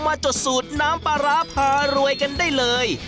จดสูตรน้ำปลาร้าพารวยกันได้เลย